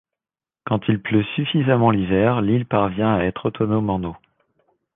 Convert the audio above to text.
Quand il pleut suffisamment l'hiver, l'île parvient à être autonome en eau.